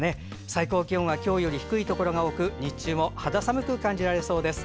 最高気温は今日より低いところが多く日中も肌寒く感じられそうです。